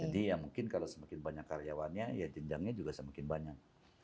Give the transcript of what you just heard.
jadi ya mungkin kalau semakin banyak karyawannya ya jenjangnya juga semakin banyak